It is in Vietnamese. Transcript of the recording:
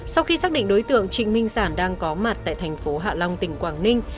sau khi xác định đối tượng trịnh minh sản đang có mặt tại thành phố hạ long tỉnh quảng ninh